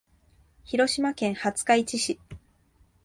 広島県廿日市市